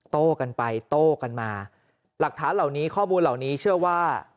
โต้กันไปโต้กันมาหลักฐานเหล่านี้ข้อมูลเหล่านี้เชื่อว่า